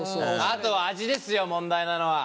あとは味ですよ問題なのは。